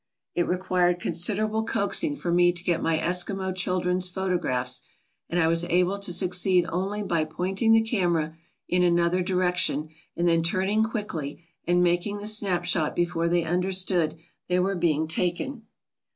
It required considerable coaxing for me to get my Eskimo children's photographs, and I was able to succeed only by pointing the camera in another direction and then turning quickly and making the snapshot before they understood they were being taken.